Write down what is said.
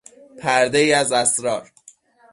پردهای از اسرار